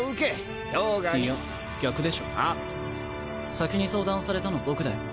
先に相談されたの僕だよ。